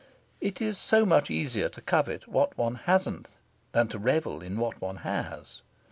It is so much easier to covet what one hasn't than to revel in what one has.